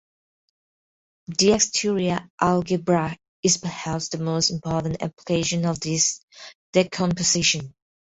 The exterior algebra is perhaps the most important application of this decomposition.